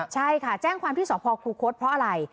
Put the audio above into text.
ใช่ค่ะแจ้งความที่สพคูคศเพราะอะไร